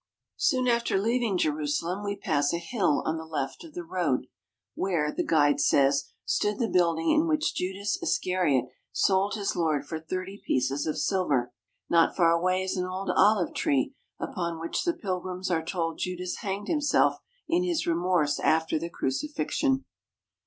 Soon after leaving Jerusalem we pass a hill on the left of the road, where, the guide says, stood the building in which Judas Iscariot sold his Lord for thirty pieces of silver. Not far away is an old olive tree upon which the pilgrims are told Judas hanged himself in his remorse after the Crucifixion.